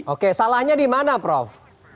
oke salahnya di mana prof